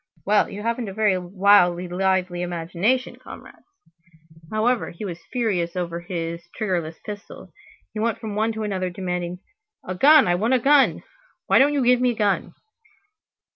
Well, you haven't a very wildly lively imagination, comrades." However, he was furious over his triggerless pistol. He went from one to another, demanding: "A gun, I want a gun! Why don't you give me a gun?"